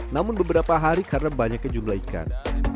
namun beberapa hari karena banyaknya jumlah ikan